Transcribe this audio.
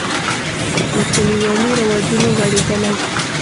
له کلیوالي رواجونو غړېدلی.